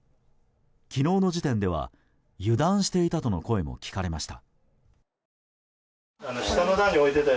昨日の時点では油断していたとの声も聞かれました。